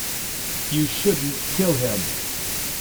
You shouldn't kill him.